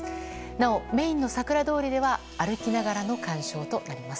なお、メインのさくら通りでは歩きながらの鑑賞となります。